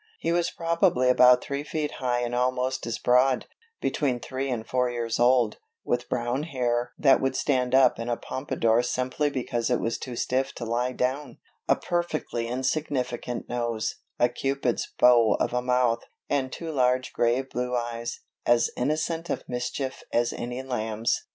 He was probably about three feet high and almost as broad, between three and four years old, with brown hair that would stand up in a pompadour simply because it was too stiff to lie down, a perfectly insignificant nose, a Cupid's bow of a mouth and two large grave blue eyes, as innocent of mischief as any lamb's.